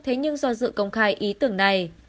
thế nhưng do dự công khai ý tưởng này